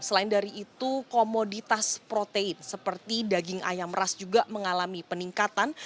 selain dari itu komoditas protein seperti daging ayam ras juga mengalami peningkatan